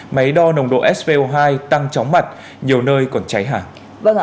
máy đo nồng độ sbo hai tăng chóng mặt nhiều nơi còn cháy hàng